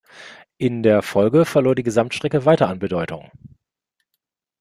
In der Folge verlor die Gesamtstrecke weiter an Bedeutung.